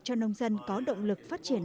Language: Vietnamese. cho nông dân có động lực phát triển